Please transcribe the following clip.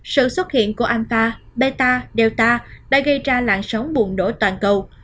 sự xuất hiện của alpha beta delta đã gây ra lạng sóng buồn nổ toàn cầu